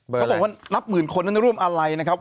บอกว่านับหมื่นคนนั้นร่วมอะไรนะครับ